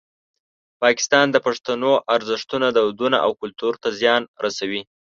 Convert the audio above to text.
پاکستان د پښتنو ارزښتونه، دودونه او کلتور ته زیان رسوي.